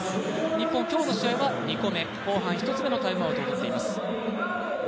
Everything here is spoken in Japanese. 日本今日の試合は２個目、後半１つ目のタイムアウトをとっています。